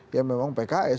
ya memang pks